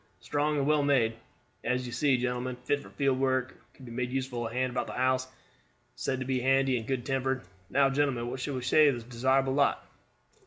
Strong and well made, as you see, gentlemen; fit for field work, or could be made a useful hand about a house; said to be handy and good tempered. Now, gentlemen, what shall we say for this desirable lot?"